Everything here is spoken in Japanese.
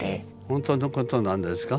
本当のことなんですか？